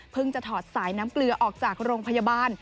จะถอดสายน้ำเกลือออกจากโรงพยาบาล